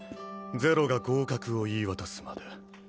ゼロが合格を言い渡すまで